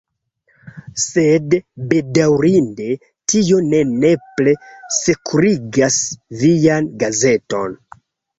Sed, bedaŭrinde, tio ne nepre sekurigas vian gazeton.